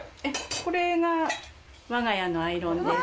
これが我が家のアイロンです。